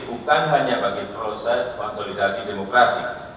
bukan hanya bagi proses konsolidasi demokrasi